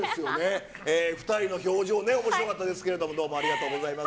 ２人の表情ね、おもしろかったですけれども、どうもありがとうございます。